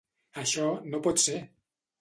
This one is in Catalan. Això no pot ser!